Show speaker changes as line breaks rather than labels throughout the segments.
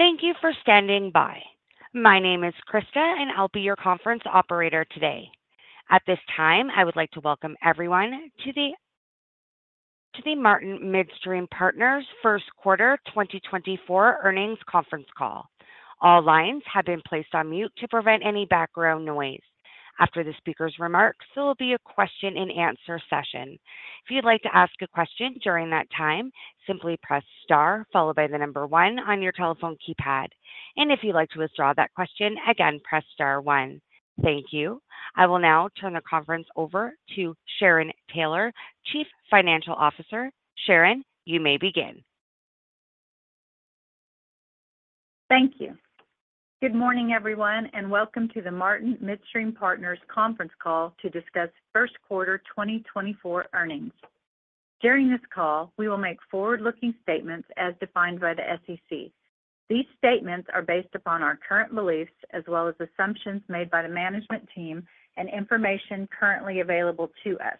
Thank you for standing by. My name is Krista, and I'll be your conference operator today. At this time, I would like to welcome everyone to the Martin Midstream Partners First Quarter 2024 Earnings Conference Call. All lines have been placed on mute to prevent any background noise. After the speaker's remarks, there will be a question-and-answer session. If you'd like to ask a question during that time, simply press star followed by the number 1 on your telephone keypad. If you'd like to withdraw that question, again, press star 1. Thank you. I will now turn the conference over to Sharon Taylor, Chief Financial Officer. Sharon, you may begin.
Thank you. Good morning, everyone, and welcome to the Martin Midstream Partners Conference Call to discuss first quarter 2024 Earnings. During this call, we will make forward-looking statements as defined by the SEC. These statements are based upon our current beliefs as well as assumptions made by the management team and information currently available to us.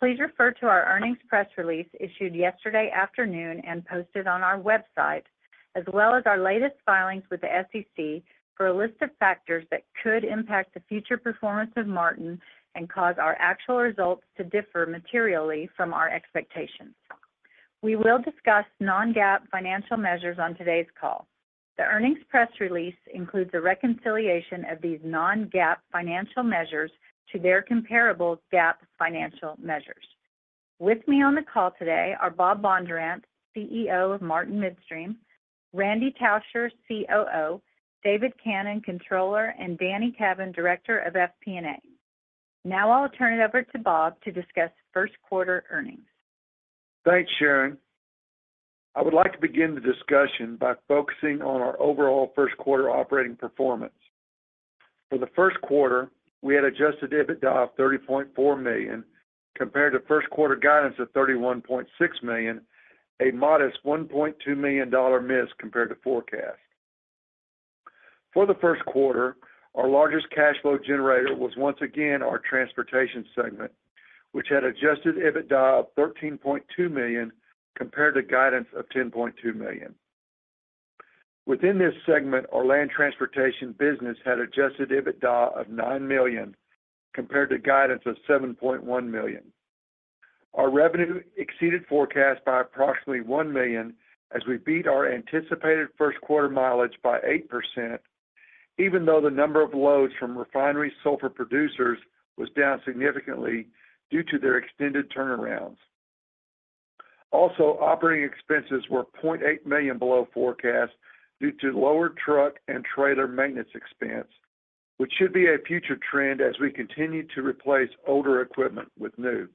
Please refer to our earnings press release issued yesterday afternoon and posted on our website, as well as our latest filings with the SEC for a list of factors that could impact the future performance of Martin and cause our actual results to differ materially from our expectations. We will discuss non-GAAP financial measures on today's call. The earnings press release includes a reconciliation of these non-GAAP financial measures to their comparable GAAP financial measures. With me on the call today are Bob Bondurant, CEO of Martin Midstream, Randy Tauscher, COO, David Cannon, Controller, and Danny Cavin, Director of FP&A. Now I'll turn it over to Bob to discuss first quarter Earnings.
Thanks, Sharon. I would like to begin the discussion by focusing on our overall first quarter operating performance. For the first quarter, we had adjusted EBITDA of $30.4 million compared to first quarter guidance of $31.6 million, a modest $1.2 million miss compared to forecast. For the first quarter, our largest cash flow generator was once again our transportation segment, which had adjusted EBITDA of $13.2 million compared to guidance of $10.2 million. Within this segment, our land transportation business had adjusted EBITDA of $9 million compared to guidance of $7.1 million. Our revenue exceeded forecast by approximately $1 million as we beat our anticipated first quarter mileage by 8%, even though the number of loads from refineries' sulfur producers was down significantly due to their extended turnarounds. Also, operating expenses were $0.8 million below forecast due to lower truck and trailer maintenance expense, which should be a future trend as we continue to replace older equipment with new.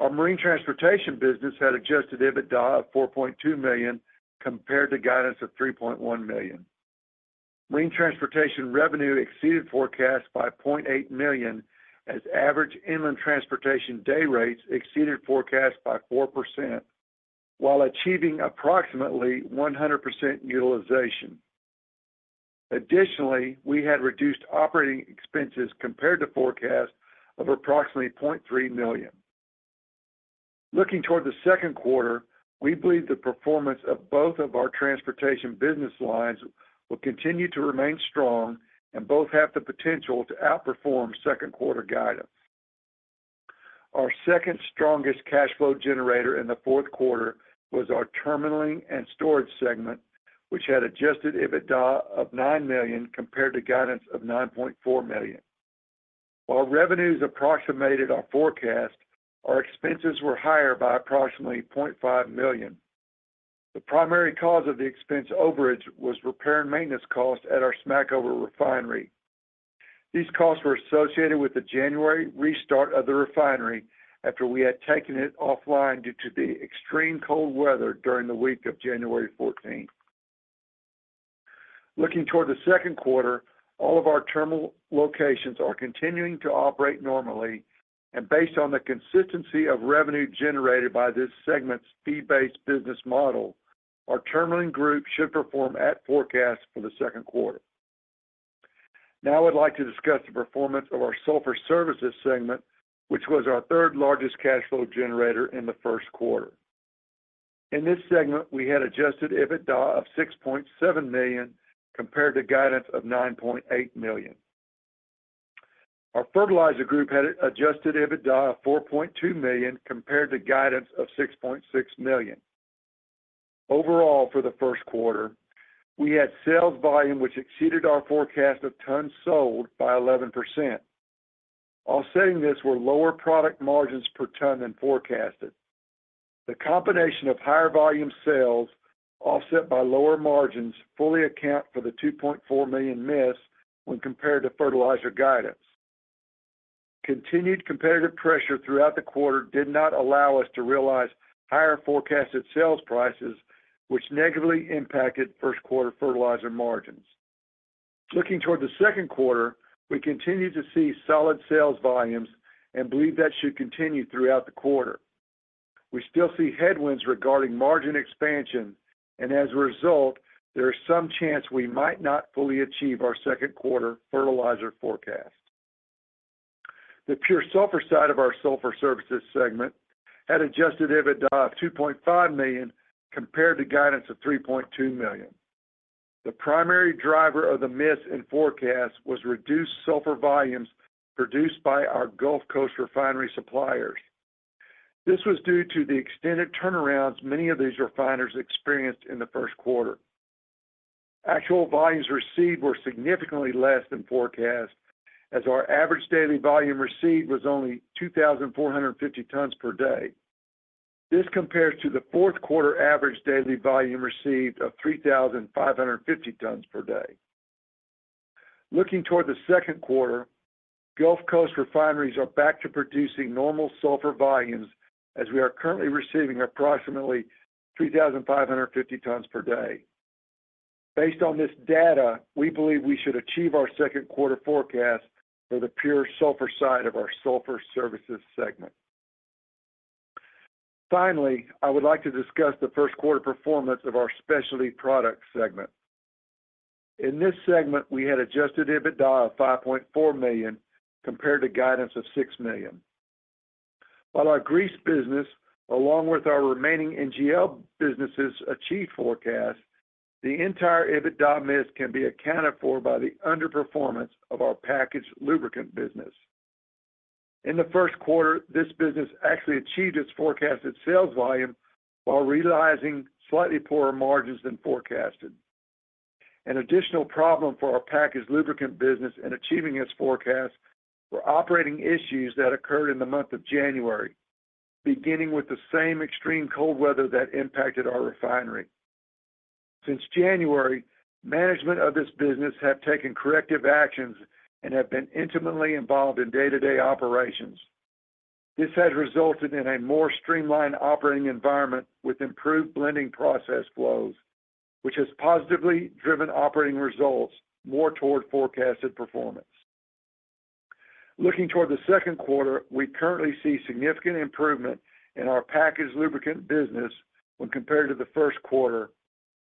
Our marine transportation business had adjusted EBITDA of $4.2 million compared to guidance of $3.1 million. Marine transportation revenue exceeded forecast by $0.8 million as average inland transportation day rates exceeded forecast by 4% while achieving approximately 100% utilization. Additionally, we had reduced operating expenses compared to forecast of approximately $0.3 million. Looking toward the second quarter, we believe the performance of both of our transportation business lines will continue to remain strong and both have the potential to outperform second quarter guidance. Our second strongest cash flow generator in the fourth quarter was our terminaling and storage segment, which had adjusted EBITDA of $9 million compared to guidance of $9.4 million. While revenues approximated our forecast, our expenses were higher by approximately $0.5 million. The primary cause of the expense overage was repair and maintenance costs at our Smackover refinery. These costs were associated with the January restart of the refinery after we had taken it offline due to the extreme cold weather during the week of January 14th. Looking toward the second quarter, all of our terminal locations are continuing to operate normally, and based on the consistency of revenue generated by this segment's fee-based business model, our terminalling group should perform at forecast for the second quarter. Now I would like to discuss the performance of our sulfur services segment, which was our third largest cash flow generator in the first quarter. In this segment, we had adjusted EBITDA of $6.7 million compared to Guidance of $9.8 million. Our fertilizer group had adjusted EBITDA of $4.2 million compared to guidance of $6.6 million. Overall, for the first quarter, we had sales volume which exceeded our forecast of tons sold by 11%. Offsetting this were lower product margins per ton than forecasted. The combination of higher volume sales offset by lower margins fully account for the $2.4 million miss when compared to fertilizer guidance. Continued competitive pressure throughout the quarter did not allow us to realize higher forecasted sales prices, which negatively impacted first quarter fertilizer margins. Looking toward the second quarter, we continue to see solid sales volumes and believe that should continue throughout the quarter. We still see headwinds regarding margin expansion, and as a result, there is some chance we might not fully achieve our second quarter fertilizer forecast. The pure sulfur side of our sulfur services segment had adjusted EBITDA of $2.5 million compared to Guidance of $3.2 million. The primary driver of the miss in forecast was reduced sulfur volumes produced by our Gulf Coast refinery suppliers. This was due to the extended turnarounds many of these refiners experienced in the first quarter. Actual volumes received were significantly less than forecast, as our average daily volume received was only 2,450 tons per day. This compares to the fourth quarter average daily volume received of 3,550 tons per day. Looking toward the second quarter, Gulf Coast refineries are back to producing normal sulfur volumes as we are currently receiving approximately 3,550 tons per day. Based on this data, we believe we should achieve our second quarter forecast for the pure sulfur side of our sulfur services segment. Finally, I would like to discuss the first quarter performance of our specialty product segment. In this segment, we had adjusted EBITDA of $5.4 million compared to guidance of $6 million. While our grease business, along with our remaining NGL businesses, achieved forecast, the entire EBITDA miss can be accounted for by the underperformance of our packaged lubricant business. In the first quarter, this business actually achieved its forecasted sales volume while realizing slightly poorer margins than forecasted. An additional problem for our packaged lubricant business in achieving its forecast were operating issues that occurred in the month of January, beginning with the same extreme cold weather that impacted our refinery. Since January, management of this business has taken corrective actions and has been intimately involved in day-to-day operations. This has resulted in a more streamlined operating environment with improved blending process flows, which has positively driven operating results more toward forecasted performance. Looking toward the second quarter, we currently see significant improvement in our packaged lubricant business when compared to the first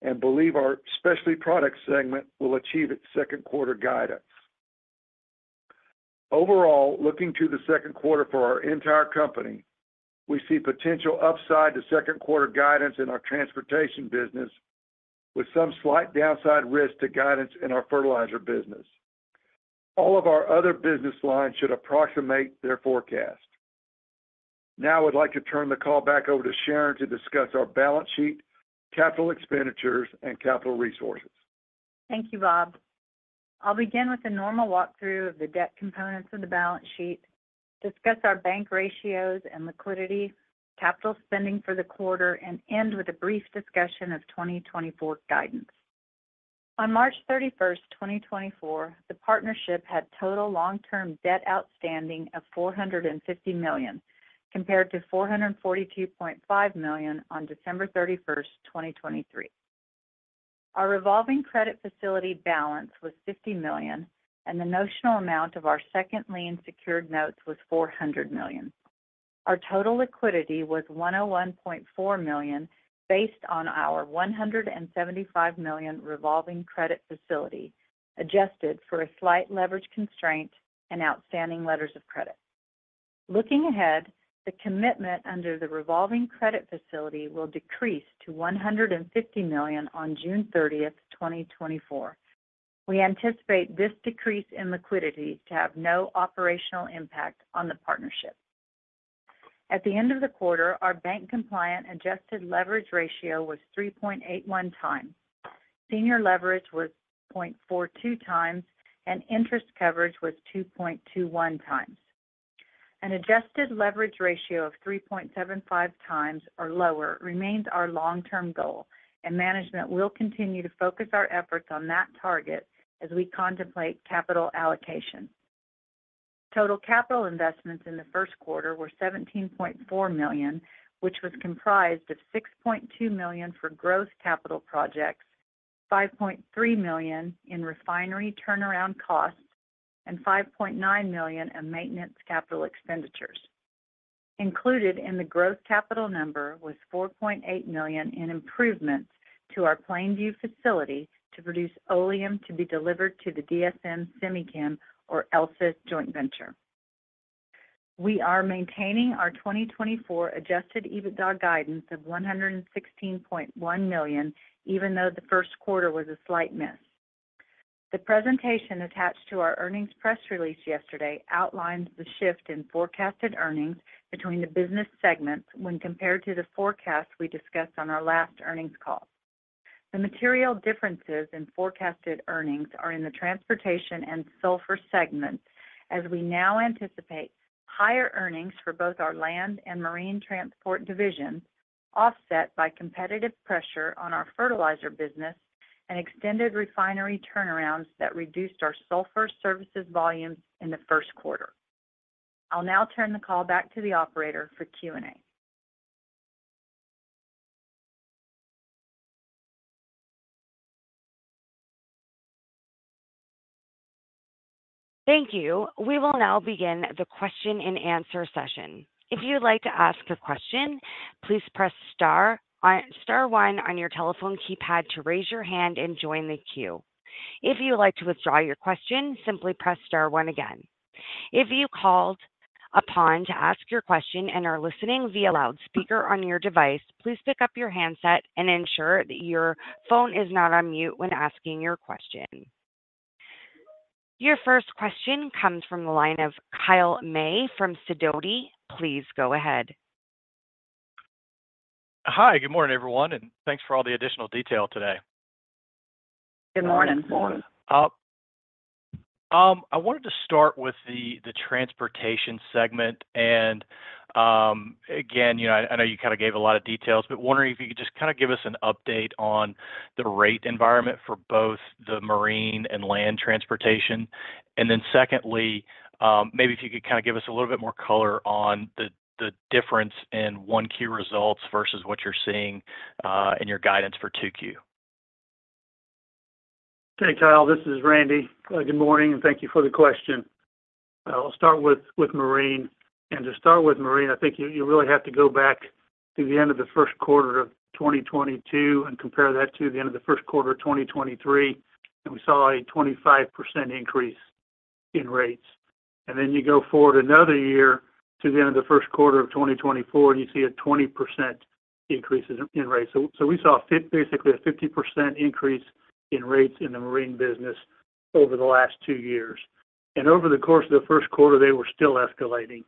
quarter and believe our specialty product segment will achieve its second quarter Guidance. Overall, looking to the second quarter for our entire company, we see potential upside to second quarter Guidance in our transportation business with some slight downside risk to Guidance in our fertilizer business. All of our other business lines should approximate their forecast. Now I would like to turn the call back over to Sharon to discuss our balance sheet, capital expenditures, and capital resources.
Thank you, Bob. I'll begin with a normal walkthrough of the debt components of the balance sheet, discuss our bank ratios and liquidity, capital spending for the quarter, and end with a brief discussion of 2024 Guidance. On March 31st, 2024, the partnership had total long-term debt outstanding of $450 million compared to $442.5 million on December 31st, 2023. Our revolving credit facility balance was $50 million, and the notional amount of our second lien secured notes was $400 million. Our total liquidity was $101.4 million based on our $175 million revolving credit facility adjusted for a slight leverage constraint and outstanding letters of credit. Looking ahead, the commitment under the revolving credit facility will decrease to $150 million on June 30th, 2024. We anticipate this decrease in liquidity to have no operational impact on the partnership. At the end of the quarter, our bank-compliant adjusted leverage ratio was 3.81 times, senior leverage was 0.42 times, and interest coverage was 2.21 times. An adjusted leverage ratio of 3.75 times or lower remains our long-term goal, and management will continue to focus our efforts on that target as we contemplate capital allocation. Total capital investments in the first quarter were $17.4 million, which was comprised of $6.2 million for growth capital projects, $5.3 million in refinery turnaround costs, and $5.9 million in maintenance capital expenditures. Included in the growth capital number was $4.8 million in improvements to our Plainview facility to produce oleum to be delivered to the DSM Semichem or ELSA joint venture. We are maintaining our 2024 adjusted EBITDA guidance of $116.1 million even though the first quarter was a slight miss. The presentation attached to our earnings press release yesterday outlines the shift in forecasted earnings between the business segments when compared to the forecast we discussed on our last earnings call. The material differences in forecasted earnings are in the transportation and sulfur segments as we now anticipate higher earnings for both our land and marine transport divisions offset by competitive pressure on our fertilizer business and extended refinery turnarounds that reduced our sulfur services volumes in the first quarter. I'll now turn the call back to the operator for Q&A.
Thank you. We will now begin the question-and-answer session. If you would like to ask a question, please press star one on your telephone keypad to raise your hand and join the queue. If you would like to withdraw your question, simply press star one again. If you called upon to ask your question and are listening via loudspeaker on your device, please pick up your handset and ensure that your phone is not on mute when asking your question. Your first question comes from the line of Kyle May from Sidoti. Please go ahead.
Hi. Good morning, everyone, and thanks for all the additional detail today.
Good morning.
I wanted to start with the transportation segment. And again, I know you kind of gave a lot of details, but wondering if you could just kind of give us an update on the rate environment for both the marine and land transportation. And then secondly, maybe if you could kind of give us a little bit more color on the difference in 1Q results versus what you're seeing in your Guidance for 2Q.
Hey, Kyle. This is Randy. Good morning, and thank you for the question. I'll start with marine. To start with marine, I think you really have to go back to the end of the first quarter of 2022 and compare that to the end of the first quarter of 2023, and we saw a 25% increase in rates. Then you go forward another year to the end of the first quarter of 2024, and you see a 20% increase in rates. So we saw basically a 50% increase in rates in the marine business over the last two years. Over the course of the first quarter, they were still escalating.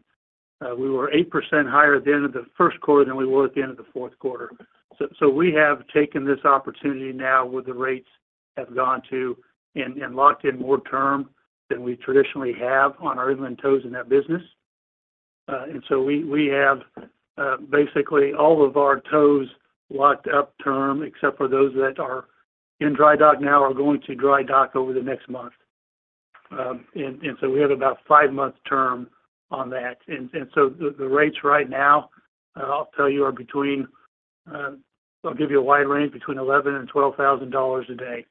We were 8% higher at the end of the first quarter than we were at the end of the fourth quarter. So we have taken this opportunity now where the rates have gone to and locked in more term than we traditionally have on our inland tows in that business. And so we have basically all of our tows locked up term except for those that are in dry dock now are going to dry dock over the next month. And so we have about 5-month term on that. And so the rates right now, I'll tell you, are between I'll give you a wide range between $11,000 and $12,000 a day.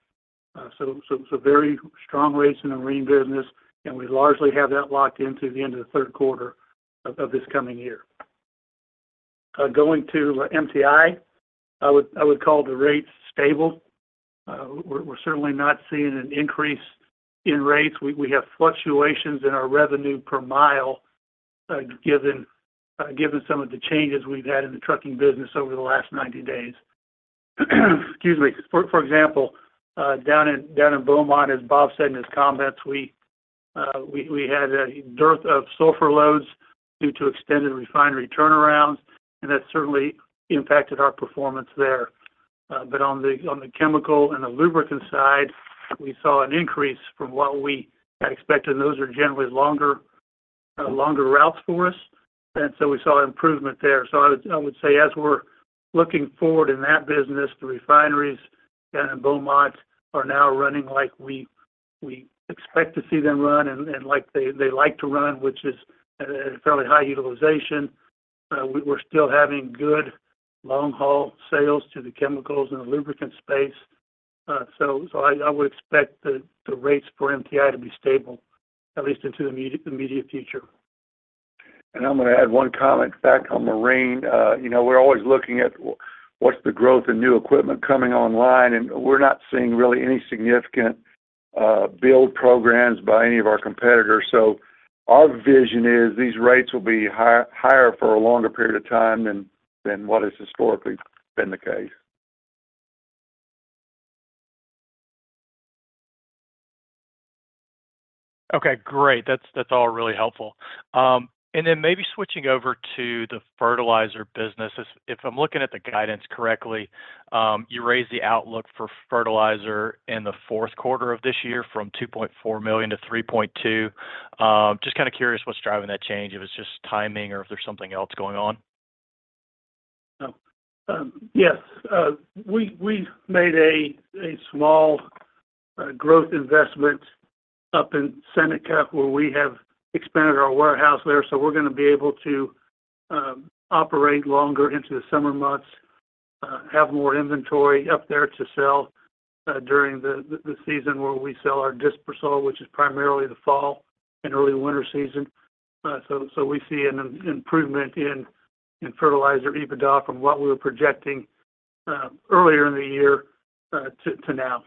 So very strong rates in the marine business, and we largely have that locked into the end of the third quarter of this coming year. Going to MTI, I would call the rates stable. We're certainly not seeing an increase in rates. We have fluctuations in our revenue per mile given some of the changes we've had in the trucking business over the last 90 days. Excuse me. For example, down in Beaumont, as Bob said in his comments, we had a dearth of sulfur loads due to extended refinery turnarounds, and that certainly impacted our performance there. But on the chemical and the lubricant side, we saw an increase from what we had expected, and those are generally longer routes for us, and so we saw improvement there. So I would say as we're looking forward in that business, the refineries down in Beaumont are now running like we expect to see them run and like they like to run, which is at a fairly high utilization. We're still having good long-haul sales to the chemicals and the lubricant space. I would expect the rates for MTI to be stable, at least into the immediate future.
I'm going to add one comment back on marine. We're always looking at what's the growth in new equipment coming online, and we're not seeing really any significant build programs by any of our competitors. Our vision is these rates will be higher for a longer period of time than what has historically been the case.
Okay. Great. That's all really helpful. And then maybe switching over to the fertilizer business. If I'm looking at the Guidance correctly, you raised the outlook for fertilizer in the fourth quarter of this year from $2.4 million to $3.2 million. Just kind of curious what's driving that change, if it's just timing or if there's something else going on?
Yes. We made a small growth investment up in Seneca where we have expanded our warehouse there. So we're going to be able to operate longer into the summer months, have more inventory up there to sell during the season where we sell our Disper-Sul, which is primarily the fall and early winter season. So we see an improvement in Fertilizer EBITDA from what we were projecting earlier in the year to now.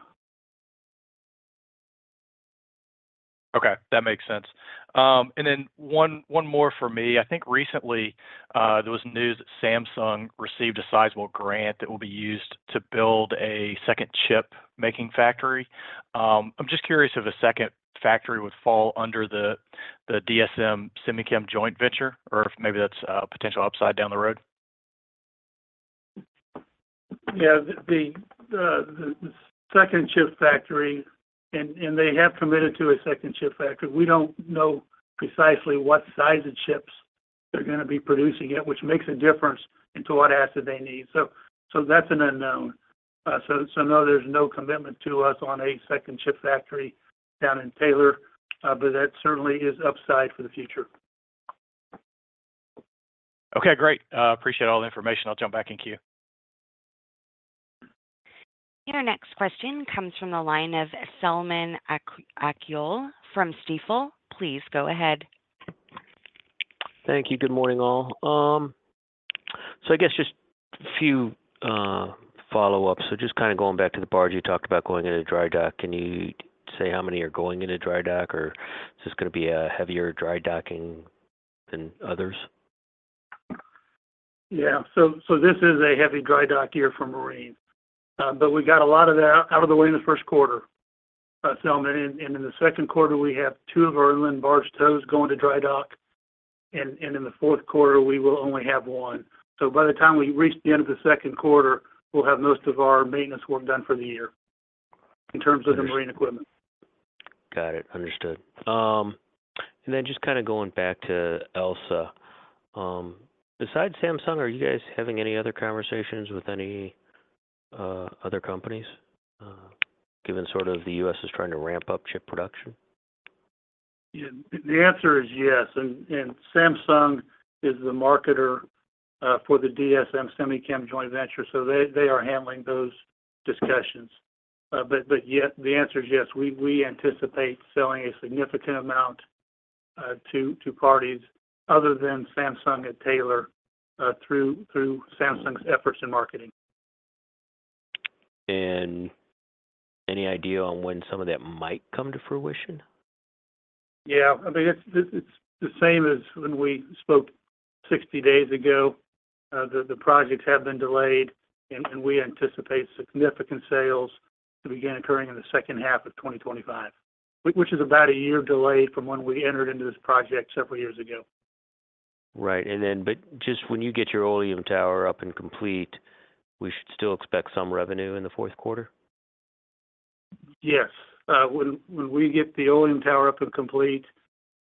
Okay. That makes sense. And then one more for me. I think recently, there was news that Samsung received a sizable grant that will be used to build a second chip-making factory. I'm just curious if a second factory would fall under the DSM Semichem joint venture or if maybe that's a potential upside down the road?
Yeah. The second chip factory, and they have committed to a second chip factory. We don't know precisely what size of chips they're going to be producing yet, which makes a difference into what asset they need. So that's an unknown. So no, there's no commitment to us on a second chip factory down in Taylor, but that certainly is upside for the future.
Okay. Great. Appreciate all the information. I'll jump back in queue.
Your next question comes from the line of Selman Akyol from Stifel. Please go ahead.
Thank you. Good morning, all. So I guess just a few follow-ups. So just kind of going back to the barge you talked about going into dry dock, can you say how many are going into dry dock, or is this going to be a heavier dry docking than others?
Yeah. So this is a heavy dry dock year for marine. But we got a lot of that out of the way in the first quarter, Selman. And in the second quarter, we have two of our inland barge tows going to dry dock, and in the fourth quarter, we will only have one. So by the time we reach the end of the second quarter, we'll have most of our maintenance work done for the year in terms of the marine equipment.
Got it. Understood. And then just kind of going back to ELSA, besides Samsung, are you guys having any other conversations with any other companies given sort of the U.S. is trying to ramp up chip production?
The answer is yes. Samsung is the marketer for the DSM Semichem joint venture, so they are handling those discussions. But yet, the answer is yes. We anticipate selling a significant amount to parties other than Samsung and Taylor through Samsung's efforts in marketing.
Any idea on when some of that might come to fruition?
Yeah. I mean, it's the same as when we spoke 60 days ago. The projects have been delayed, and we anticipate significant sales to begin occurring in the second half of 2025, which is about a year delayed from when we entered into this project several years ago.
Right. But just when you get your Oleum tower up and complete, we should still expect some revenue in the fourth quarter?
Yes. When we get the oleum tower up and complete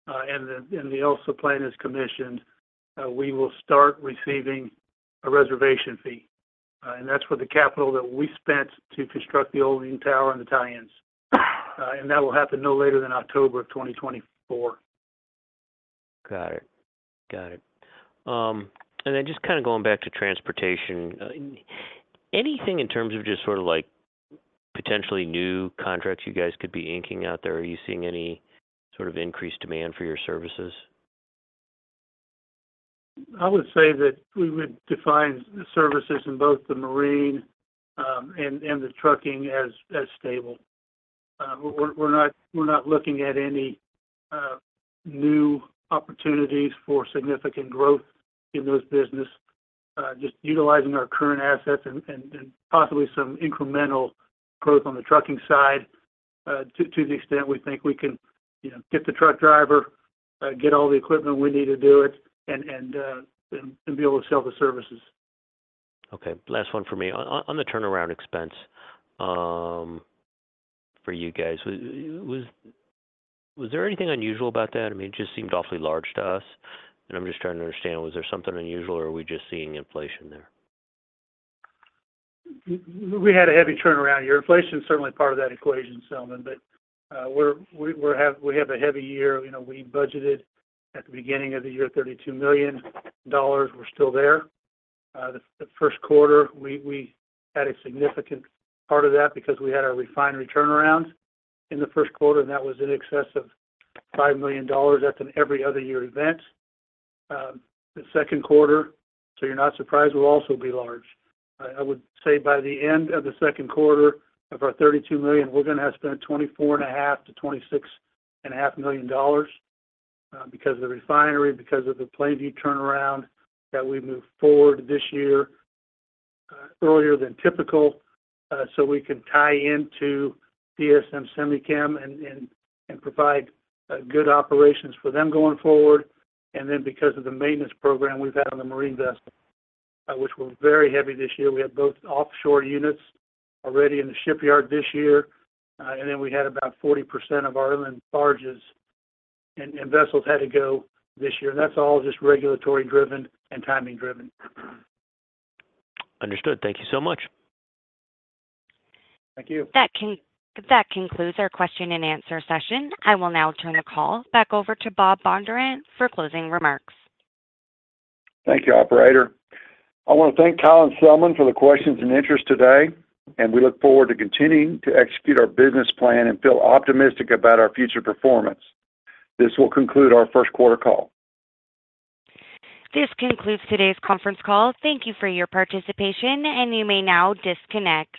and the ELSA plant is commissioned, we will start receiving a reservation fee. That will happen no later than October of 2024.
Got it. Got it. And then just kind of going back to transportation, anything in terms of just sort of potentially new contracts you guys could be inking out there? Are you seeing any sort of increased demand for your services?
I would say that we would define the services in both the marine and the trucking as stable. We're not looking at any new opportunities for significant growth in those businesses, just utilizing our current assets and possibly some incremental growth on the trucking side to the extent we think we can get the truck driver, get all the equipment we need to do it, and be able to sell the services.
Okay. Last one for me. On the turnaround expense for you guys, was there anything unusual about that? I mean, it just seemed awfully large to us. And I'm just trying to understand, was there something unusual, or are we just seeing inflation there?
We had a heavy turnaround year. Inflation is certainly part of that equation, Selman, but we have a heavy year. We budgeted at the beginning of the year $32 million. We're still there. The first quarter, we had a significant part of that because we had our refinery turnaround in the first quarter, and that was in excess of $5 million. That's an every-other-year event. The second quarter, so you're not surprised, will also be large. I would say by the end of the second quarter of our $32 million, we're going to have spent $24.5 million-$26.5 million because of the refinery, because of the Plainview turnaround that we've moved forward this year earlier than typical so we can tie into DSM Semichem and provide good operations for them going forward. And then because of the maintenance program we've had on the marine vessel, which were very heavy this year, we had both offshore units already in the shipyard this year. And then we had about 40% of our inland barges and vessels had to go this year. And that's all just regulatory-driven and timing-driven.
Understood. Thank you so much.
Thank you.
That concludes our question-and-answer session. I will now turn the call back over to Bob Bondurant for closing remarks.
Thank you, operator. I want to thank Colin Selman for the questions and interest today, and we look forward to continuing to execute our business plan and feel optimistic about our future performance. This will conclude our first-quarter call.
This concludes today's conference call. Thank you for your participation, and you may now disconnect.